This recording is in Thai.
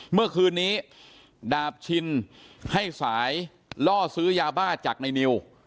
เมื่อคืนนี้ดาบชินให้สายล่อซื้อยาบ้าจากในนิว